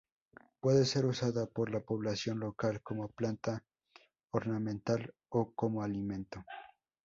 Puede ser usada por la población local como planta ornamental o como alimento.